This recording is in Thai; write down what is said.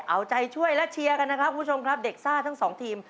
เอาใจช่วยและเชียร์กันนะคะพวกเด็กซ่าทั้ง๒ทีม